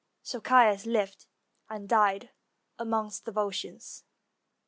So Caius lived and died amongst the Volscians.